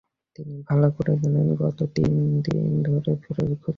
তিনি ভালো করেই জানেন, গত তিন দিন ধরে ফিরোজ খুবই অসুস্থ।